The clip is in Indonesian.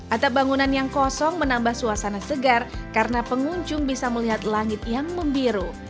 atap bangunan yang kosong menambah suasana segar karena pengunjung bisa melihat langit yang membiru